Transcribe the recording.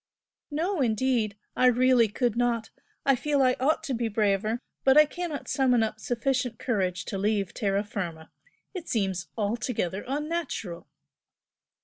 "No indeed! I really could not! I feel I ought to be braver but I cannot summon up sufficient courage to leave terra firma. It seems altogether unnatural."